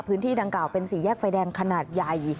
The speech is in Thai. พื้นที่ดังกล่าวเป็นสี่แยกไฟแดงขนาดใหญ่